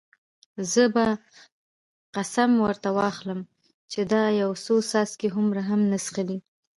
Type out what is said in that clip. زه به قسم ورته واخلم چې تا یو څاڅکی هومره هم نه دی څښلی.